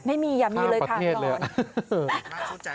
ไม่มีอย่างนี้เลยค่ะพี่บอส